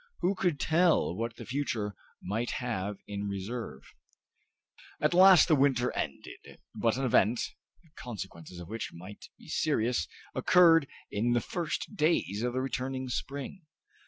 who could tell what the future might have in reserve? At last the winter was ended, but an event, the consequences of which might be serious occurred in the first days of the returning spring.